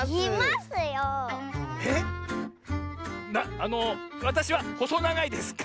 あのわたしはほそながいですか？